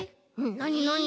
なになに？